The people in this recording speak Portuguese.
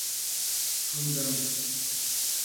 Fundão